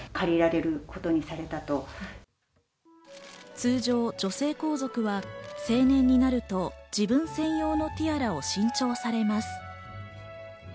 通常、女性皇族は成年になると自分専用のティアラを新調されます。